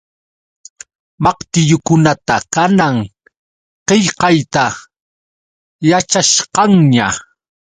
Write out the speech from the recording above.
Maqtillukuna kanan qillqayta yaćhasqanña.